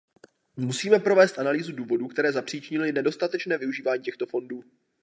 Musíme provést analýzu důvodů, které zapríčinily nedostatečné využívání těchto fondů.